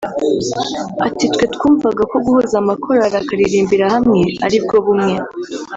Ati «Twe twumvaga ko guhuza amakorali akaririmbira hamwe ari bwo bumwe